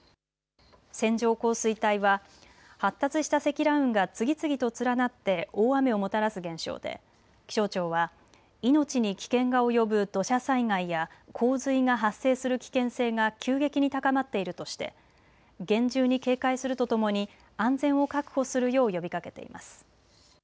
線状降水帯は発達した積乱雲が次々と連なって大雨をもたらす現象で気象庁は命に危険が及ぶ土砂災害や洪水が発生する危険性が急激に高まっているとして厳重に警戒するとともに安全を確保するよう呼びかけています。